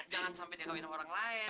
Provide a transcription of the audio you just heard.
jangan sampai dia kawin orang lain